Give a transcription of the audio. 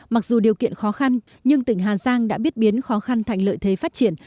mặc dù điều kiện khó khăn nhưng tỉnh hà giang đã biết biến khó khăn thành lợi thế phát triển